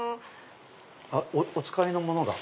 お使いのものが？